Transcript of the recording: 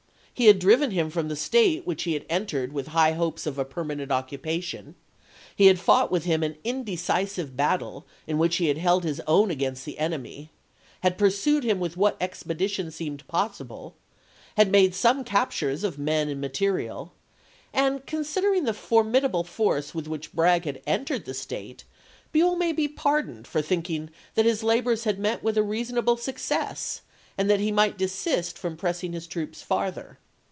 He had driven him from the State which he had entered with high hopes of a permanent occupation : he had fought with him an indecisive battle in which he had held his own against the enemy ; had pursued him with what expedition seemed possible, had made some captures of men and material, and considering the formidable force with which Bragg had entered the State, Buell may be pardoned for thinking that his labors had met with a reasonable success, and that he might desist from pressing his troops farther.